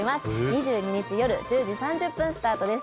２２日夜１０時３０分スタートです